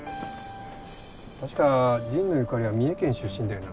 確か神野由香里は三重県出身だよな。